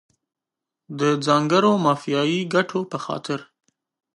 د ځانګړو مافیایي ګټو په خاطر.